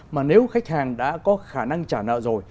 mà nếu khách hàng đã có khả năng trả nợ rồi